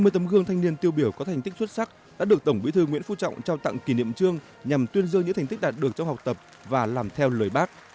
hai mươi tấm gương thanh niên tiêu biểu có thành tích xuất sắc đã được tổng bí thư nguyễn phú trọng trao tặng kỷ niệm trương nhằm tuyên dương những thành tích đạt được trong học tập và làm theo lời bác